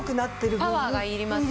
パワーがいりますよね。